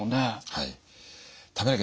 はい。